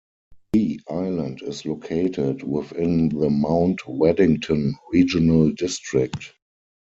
The island is located within the Mount Waddington Regional District.